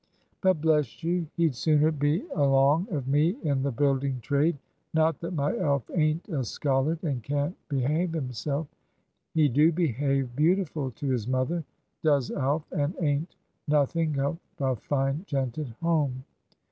But, bless you, he'd sooner be along of me in the building trade. Not that my Alf ain't a schollard, and can't behave himself. He do behave beautiful to his mother, does Alf, and ain't nothink of a fine gent at home.